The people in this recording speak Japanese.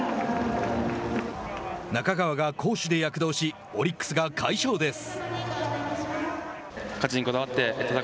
中川が攻守で躍動しオリックスが快勝です。